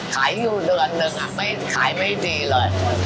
ขายอยู่เดือนนึงขายไม่ดีเลย